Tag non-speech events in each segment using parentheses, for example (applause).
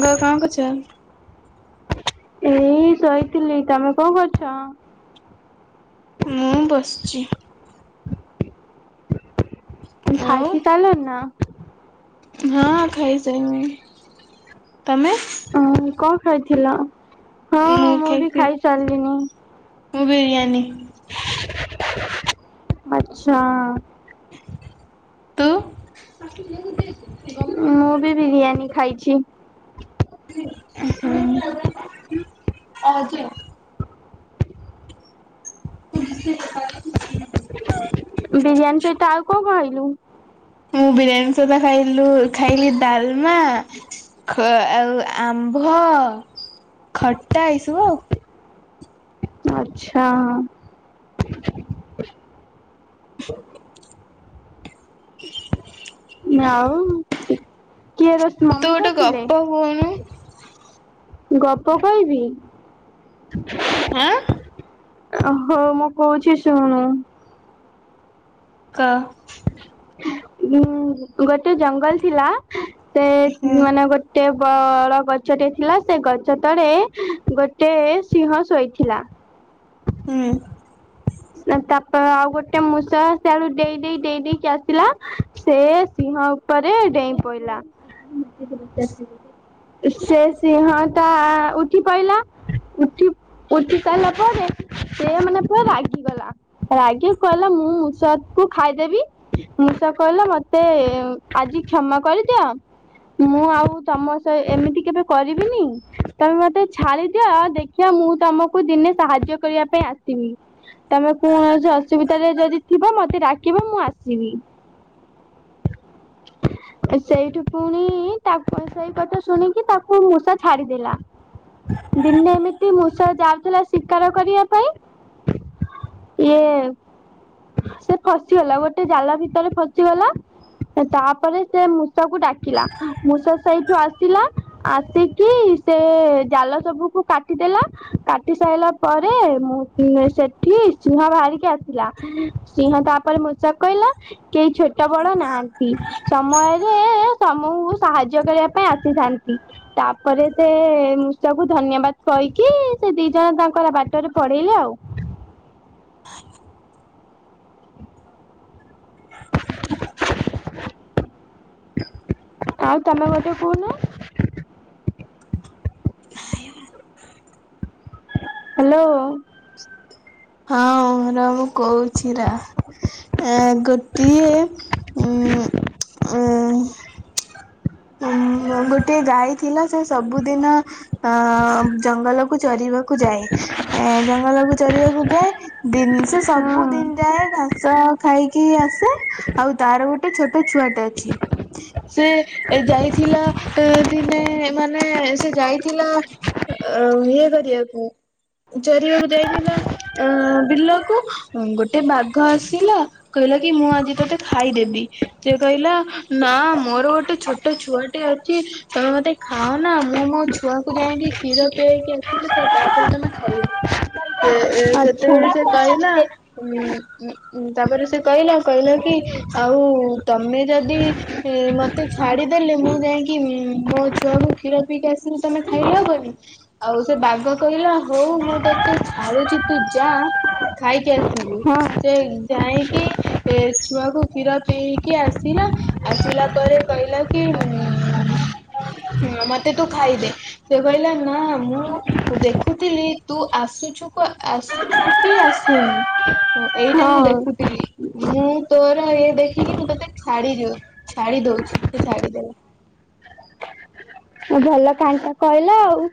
ସାଙ୍ଗ କଣ କରୁଚ। ମୁଁ ଏଇ ଶୋଇଥିଲି ତମେ କଣ କରୁଚ। ମୁଁ ବସିଚି। ଆଉ ଖାଇ ପିଇ ସାଇଲାଣି ନା। ହଁ ଖାଇସାରିଲିଣି ତମେ। ଉଁ କଣ ଖାଇଥିଲ। ହଁ ମୁଁ ବି ଖାଇଥି ଖାଇ ସାରିଲିନି ମୁଁ ବିରିୟାନୀ। ଆଛା। ତୁ। ମୁଁ ବି ବିରିୟାନୀ ଖାଇଚି। ଉଁ ହୁଁ (inaudible) (inaudible) ବିରିୟାନୀ ସହିତ ଆଉ କଣ କଣ ଖାଇଲୁ। ମୁଁ ବିରିୟାନୀ ସହିତ ଖାଇଲୁ ଖାଇଲି ଡାଲମା ଖ ଆଉ ଆମ୍ଭ ଖଟା ଏଇସବୁ ଆଉ। ଆଛା। (inaudible) ଆଉ କିଏ ରୋଷ ତୁ ମମି ଗୋଟେ ଗପ କରିଥିଲେ। କହୁନୁ। ଗପ କହିବି। ହାଁ। ଓହୋ ମୁଁ କହୁଛି ଶୁଣୁ। କ। ଉଁ ଗୋଟେ ଜଙ୍ଗଲ ଥିଲା ସେ ହୁଁ। ମାନେ ଗୋ ଗୋଟେ ବ ଡ ଗଛଟେ ଥିଲା ସେ ଗଛ ତଳେ ଗୋଟେ ସିଂହ ଶୋଇଥିଲା। ହୁଁ। ତାପ ଆଉ ଗୋଟେ ମୂଷା ସିଆଡୁ ଡେଇଁ ଡେଇଁ ଡେଇଁ ଡେଇଁ କି ଆସିଲା। ସେ ସିଂହ ଉପରେ ଡେଇଁ ପଇଲା। ସେ ସିଂହ ତା ଉଠି ପଇଲା ଉଠି ଉଠି ସାଇଲା ପରେ ସେ ମାନେ ପୂରା ରାଗ ଗି ଗଲା ରାଗିକି କହିଲା ମୁଁ ମୂଷା କୁ ଖାଇଦେବି। ମୂଷା କହିଲା ମତେ ଆଜି କ୍ଷମା କରିଦିଅ। ମୁଁ ଆଉ ତମ ସହ ଏମିତି କେବେ କରିବିନି। ତମେ ମତେ ଛାଡିଦିଅ ଆଉ ଦେଖିଆ ମୁଁ ତମକୁ ଦିନେ ସାହାଯ୍ୟ କରିବା ପାଇଁ ଆସିମି। ତମେ କୌଣସି ଅସୁବିଧାରେ ଯଦି ଥିବ ମତେ ଡାକିବ ମୁଁ ଆସିବି। ସେଇଠୁ ପୁଣି ତାପ ସେଇ କଥା ଶୁଣିକି ତାକୁ ମୂଷା ଛାଡିଦେଲା। ଦିନେ ଏମିତି ମୂଷା ଯାଉଥିଲା ଶିକାର କରିବା ପାଇଁ। ଇଏ ସେ ଫସିଗଲା ଗୋଟେ ଜାଲ ଭିତରେ ଫସିଗଲା ତାପରେ ସେ ମୁ ସା କୁ ଡାକିଲା ମୂଷା ସ ସେଇଠୁ ଆସିଲା ଆସିକି ସେ ଜାଲ ସବୁକୁ କାଟିଦେଲା। କାଟି ସାଇଲା ପରେ ମୁଁ ନେ ସେ ଠି ସିଂହ ବାହାରିକି ଆସିଲା ସିଂହ ତାପରେ ମୂଷା କୁ କହିଲା। କେହି ଛୋଟ ବଡ ନାହାନ୍ତି ସମୟରେ ସମହୁ ସାହାଯ୍ୟ କରିବା ପାଇଁ ଆସିଥାନ୍ତି। ତାପରେ ସେ ମୂଷକୁ ଧନ୍ୟବାଦ କହିକି ସେ ଦି ଜଣ ତାଙ୍କର ବାଟରେ ପଢେଇଲେ ଆଉ। ଆଉ ତମ ଗୋଟେ କହୁନ? ନାଇଁମ। ହ୍ୟାଲୋ। ହଁ ର ମୁଁ କହୁଛି ରା। ଆ ଗୋଟିଏ ଉମ ଉ ଉ ଗୋଟେ ଯାଇଥିଲା ସେ ସବୁଦିନ ଅ ଜଙ୍ଗଲ କୁ ଚରିବାକୁ ଯାଏ। ଏ ଜଙ୍ଗଲକୁ ଚରିବାକୁ ଯାଏ ଡିନି ସେ ସବୁ ଦିନ ହଁ ଯାଏ ତା ସଆ ଖାଇକି ଆସେ ଆଉ ତାର ଗୋଟେ ଛୋଟ ଛୁଆ ଟା ଅଛି। ସେ ଏ ଯାଇଥିଲା ଏ ଦିନେ ମାନେ ସେ ଯାଇଥିଲା ଆ ଆ ଇଏ କରିବାକୁ ଚରିବାକୁ ଯାଇଥିଲ। ଅ ବିଲକୁ ଗୋଟେ ବାଘ ଆସିଲା କହିଲା କି ମୁଁ ଆଜି ତତେ ଖାଇଦେବି ସେ କହିଲା ନା ମୋର ଗୋଟେ ଛୋ ଟେ ଛୁଆଟିେ ଅଛି ତମେ ମତେ ଖାଅନା ମୁଁ ମୋ ଛୁଆକୁ ଯାଇକି କ୍ଷୀର ପିଆଇକି ଆ ପିଲେ ତ ତାପରେ ତମେ ଖାଇବ ସେ ଆଚ୍ଛା ସେତେବେଳେ ସେ କହିଲା ଉଁ ଉ ଉଁ ତାପରେ ସେ କହିଲା କହିଲା କି ଆଉ ତମେ ଯଦି ଇ ମତେ ଛା ଛାଡ଼ିଦେଲେ ମୁଁ ଯାଇକି ମୋ ଛୁଆକୁ କ୍ଷୀର ପିଇକି ଆସିଲି ତମେ ଖାଇଲେ ହବନି ଆଉ ସେ ବାଘ କହିଲା ହଉ ମୁଁ ତତେ ଛାଡୁଛି ତୁ ଯା। ଖାଇକି ଆସ ଚିବୁ ହଁ ସେ ଯାଇକି ଏ ଛୁଆକୁ କ୍ଷୀର ପିଏକି ଆସିଲା ଆସିଲା ପରେ କହିଲା କି ଉମ ମତେ ତୁ ଖାଇଦେ। ସେ କହିଲା ନା ମୁଁ ଦେଖୁଥିଲି ତୁ ଆସୁଛୁ କୁ ଆସୁ ତୁଛୁ କି ଆସୁନୁ ଏଇଟା ମୁଁ ହଁ ଦେଖୁଥିଲି। ମୁଁ ତୋର ଇଏ ଦେଖିକି ମୁଁ ତତେ ଛାଡି ଦିଅ ଛାଡି ଦଉଛି ସେ ଛାଡିଦେଲା। ଭଲ କାନଟା କହିଲ ଆଉ।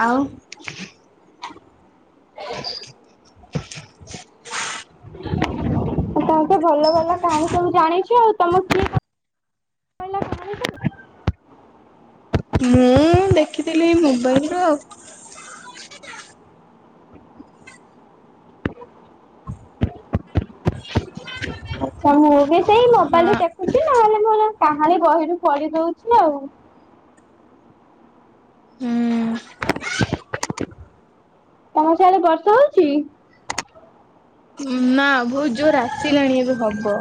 ଆଉ? ଆ ତମ ତ ଭଲ ଭଲ କାହାଣୀ ସବୁ ଜାଣିଛ ଆଉ ତମ କିଏ କ କହିଲା କାହାଣୀ ସବୁ? ମୁଁ ଦେଖିଥିଲି ଏଇ ମୋବାଇଲରୁୁ ଆଉ। (inaudible) ଆଛା ମୁଁ ବି ସେଇ ମୋବାଇଲୁ ହଁ। ଦେଖୁଚି ନହେଲେ ମୋର କାହାଣୀ ବହିରୁ ପଡି ଦଉଛି ଆଉ। ତମ ସିଆଡେ ବର୍ଷା ହଉଛି? ନା ଭୋଉତ ଜୋର ଆସିଲାଣି ଏବେ ହବ।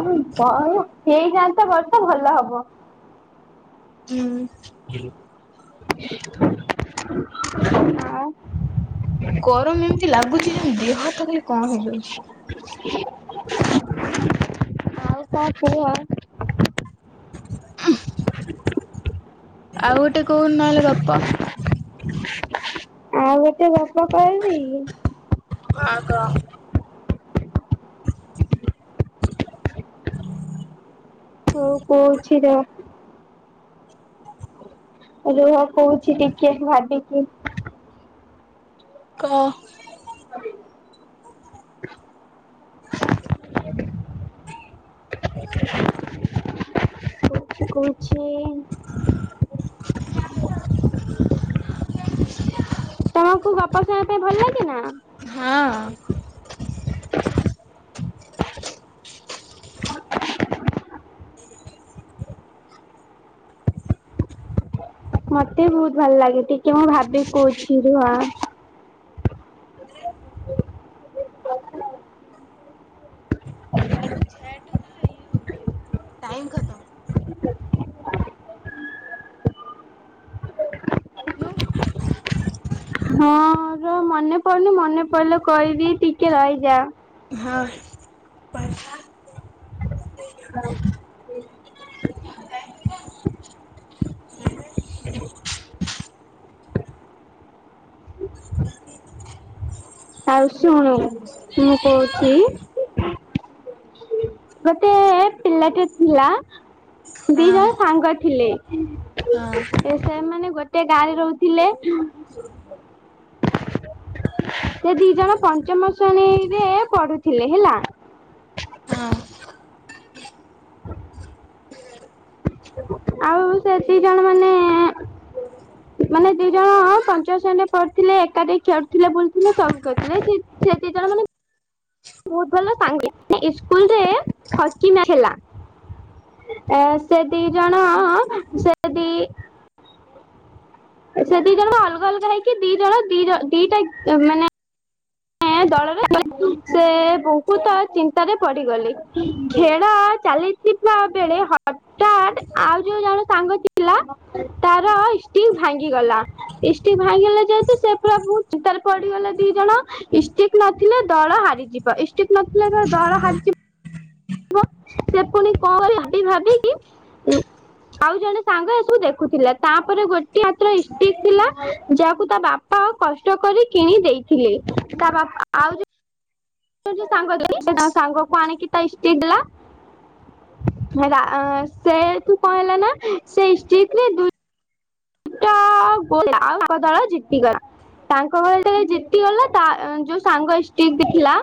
ଆବୁ ଦାଉ ହେଇଯାଆନ୍ତା ବର୍ଷା ଭଲ ହବ। ହୁଁ। ଆ ଗରମ ଏମିତି ଲାଗୁଚି ଯେମ ଦେହାତ ଖାଲି କଁ ହେଇଯାଉଛି। ଆଉ କା ଛୁଆ? ଉମ ଆଉ ଗୋଟେ କୋଉ ନହେଲେ ଗପ। ଆଉ ଗୋଟେ ଗପ କହିବି? ହଁ କ। ହ (inaudible) ହଉ କହୁଛି ର ରୁହ କହୁଛି ଟିକେ ଭାବିକି। କ। ସେ କହୁଛି (inaudible) ତମକୁ ଗପ ଶୁଣବା ପାଇଁ ଭଲ ଲାଗେ ନା? ହଁ। ମତେ ବି ବହୁତ ଭଲ ଲାଗେ ଟିକେ ମୁଁ ଭାବି କହୁଛି ରୁହ। (unintelligible) ଟାଇମ ଖତମ। (inaudible) କହୁନୁ। ହଁ ର ମାନେ ମନେ ପଡୁନି ମନେ ପଡ଼ିଲେ କିଇବି ଟିକେ ରହିଯା। ହଁ। ପଞ୍ଚା। ଆଉ ଶୁଣୁ ମୁଁ କହୁଚି ଗୋଟେ ପିଲାଟିଏ ଥିଲା ଦିଇ ଜଣ ସାଙ୍ଗ ଥିଲେ। ଏ ସେମାନେ ଗୋଟେ ଗାଁରେ ରହୁଥିଲେ। ସେ ଦିଇଜଣ ପଞ୍ଚମ ଶ୍ରେଣୀରେ ପଢୁଥିଲେ ହେଲା? ଆଉ ସେ ଦିଇ ଜଣ ମାନେ ହ (inaudible) ମାନେ ଦିଇଜଣ ପଞ୍ଚ ଶ୍ରେଣୀରେ ପଢୁଥିଲେ ଏକାଠି ଖେଡୁଥିଲେ ବୁଲୁଥିଲେ ସବ କରୁଥିଲେ ସେ ସେ ଦିଇଜଣ ମାନେ ବହୁତ ଭଲ ସାଗେ ଇସ୍କୁଲରେ ଠକିନା ହେଲା ଏଁ ସେ ଦିଇଜଣ ଅ ଅ ସେଦି ସେ ଦିଇଜଣ ଅଲଗା ଅଲଗା ହେଇକି ଦିଇଜଣ ଦିଇଜଣ ଦିଟା ମାନେ ଦଳରେ ସେ ବହୁତ ଚିନ୍ତାରେ ପଡିଗଲେ ଖେଳ ଚାଲି ଯିବା ବେଳେ ହଠାତ୍ ଆଉ ଯୋଉ ଜଣ ସାଙ୍ଗ ଥିଲା ତାର ଷ୍ଟିକ ଭାଙ୍ଗିଗଲା। ଇଷ୍ଟକ୍ ଭାଙ୍ଗିଲା ଯେହେତୁ ସେ ପୁରା ବହୁ ଚିନ୍ତାରେ ପଡିଗଲେ ଦିଇ ଜଣ। ଇଷ୍ଟିକ୍ ନଥିଲେ ଦଳ ହାରିଯିବ ଇଷ୍ଟିକ୍ ନଥିଲେ ଦଳ ହାରିଯିବ। ହୁଁ। ସେ ପୁଣି କଣ କରିବେ ଭାବି ଭାବିକି? ଆଉ ଜଣେ ସାଙ୍ଗ ଏସବୁ ଦେଖୁଥିଲା ତାପରେ ଗୋଟିଏ ହାତର ଇଷ୍ଟକ୍ ଥିଲା ଯାହାକୁ ତା ବାପା ବାପା କଷ୍ଟ କରି କିଣି ଦେଇଥିଲେ ତା ବାପା ଆଉ ଆଉ ଯୋଉ ସାଙ୍ଗ ତା ସାଙ୍ଗକୁ ଆଣିକି ତା ଇଷ୍ଟିକ୍ ଦେଲା ସେଏଠୁ କଣ ହେଲା ନା ସେ ଇଷ୍ଟିକରେ ତା ବଦଳ ଜିତିଗଲା। ତାଙ୍କ ଘରେ ଯେତବେଳେ ଜିତିଗଲା ତା ଯୋଉ ସାଙ୍ଗ ଇଷ୍ଟିକ୍ ଦେଇଥିଲା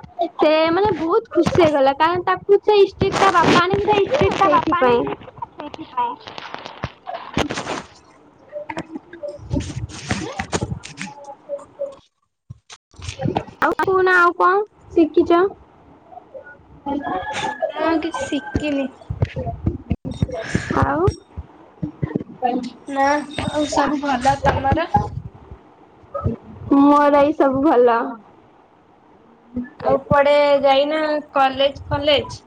ସେ ମାନେ ବହୁତ ଖୁସି ହେଇଗଲା କାରଣ ତାକୁ ସେ ଇଷ୍ଟକି ତା ବାପା ଆଣିକି ଦେଇଥିଲେ ନା ସେଇଥିପାଇଁ। ସେଠ ହୁଁ ଆଉ କହୁନା ଆଉ କଣ ଶିଖିକ? ମୁଁ ଆଉ କିଛି ଶିଖିନି। (inaudible) ନା ଆଉ ସବୁ ଭଲ ତମର? ମୋର ଏଇ ସବୁ ଭଲ। ଆଉ କୁଆଡେ ଯାଇନା କଲେଜ୍ ଫଲେଜ୍?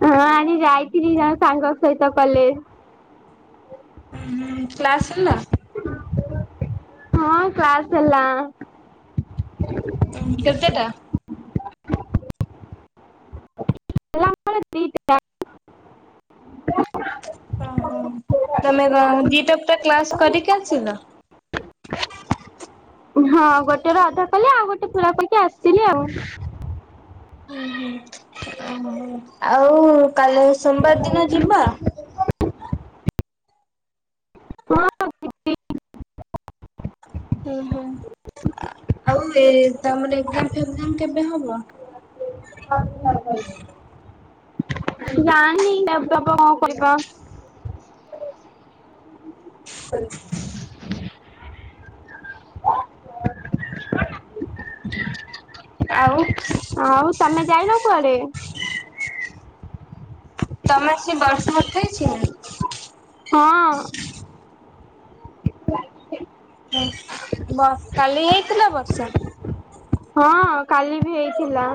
ହଁ ଆଜି ଯାଇଥିଲି ଜଣେ ସାଙ୍ଗ ସହିତ କଲେଜ୍। ଉଁ ହୁଁ କ୍ଲାସ ସରିଲା? ହଁ କ୍ଲାସ ହେଲା ଅ। ହଁ କେତେ ଟା? ଦିଇଟା। ସେ ଆମ କୁ। ଓହୋ ତମେ କ ଦିଇଟା ପୁରା କ୍ଲାସ କରିକି ଆସିବୁତ୍? ହଁ ଗୋଟେ ର ଅଧା କଲେ ଆଉ ଗୋଟେ ପୁରା ପକି ଆସିଥିଲି ଆଉ ହ ଆଉ କାଲି ସୋମବାର ଦିନ ଯିବା। ହଁ। ଓହୋ ଆଉ ଏ ତମର ଏକ୍ଜାମ ଫେଜାମ କେବେ ହବ? ହଁ ଜାଣିନି (inaudible) କଣ କରିବା? ସେ (unintelligible) ଆଉ? ଆଉ ତମେ ଯାଇନ କୁଆଡେ? ତମେ ସେ ବର୍ଷ ବଥେଇଛି ନା। ହଁ କାଲି ହେଇଥିଲା ବର୍ଷା? ହଁ କାଲି ବି ହେଇଥିଲା।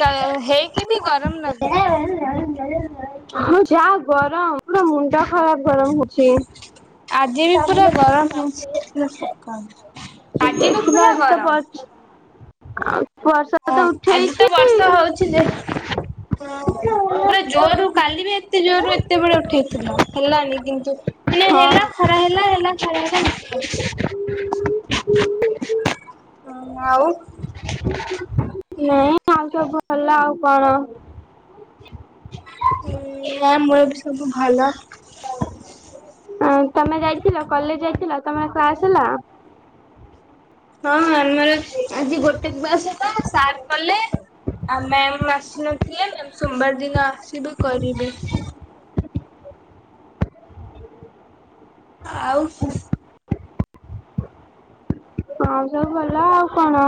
କା ହେଇକି ବି ଗରମ ଲାଗୁଥିଲା। ହଁ ଯାହା ଗରମ ପୁରା ମୁଣ୍ଡ ଟା ଖରାପ ଗରମ ହଉଛି। ଆଜି ବି ପୁରା ଗରମ ହେଉଥିଲା ସକାଳ ଆଜି ବି ଦେଖିବା ପୁରା ଗରମ। ଆଜି (inaudible) ହଁ ତ ଆଜି ତ ବର୍ଷ ଉଠେଇଛି ହଉଛି ଯେ ପୁରା ଜୋରରୁ କାଲି ବି ଏତେ ଜୋର ରୁ ଏତେବେଳେ ଉଠେଇଥିଲା ହେଲାନି କିନ୍ତୁ ଏ ହଁ ହେଲା ଖରା ହେଲା ହେଲା ଖରା ହେଲା (inaudible) ହୁଁ ଆଉ? ନାଇ ଆଉ ସବୁ ଭଲ ଆଉ କଣ? (unintelligible) ନା ମୋର ବି ସବୁ ଭଲ। ତମେ ଯାଇଥିଲ କଲେଜ ଯାଇଥିଲ ତମର କ୍ଲାସ ହେଲା। ହଁ ଆମର ଆଜି ଗୋଟେ କ୍ଲାସ ହେଲା ସାର୍ କଲେ। ଆ ମ୍ୟାାମ ଆସିନଥିଲେ ସୋମବାର ଦିନ ଆସିବି କରିବି। ଆଉ? ହଁ ସବୁ ଭଲ ଆଉ କଣ।